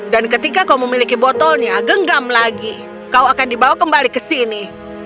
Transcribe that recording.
dan ketika kau memiliki botolnya genggam lagi kau akan dibawa kembali ke sini